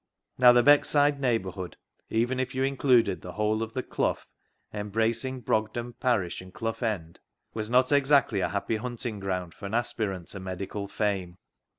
Now, the Beckside neighbourhood, even if you included the whole of the Clough, embrac ing Brogden parish and Clough End, was not exactly a happy hunting ground for an aspirant to medical fame.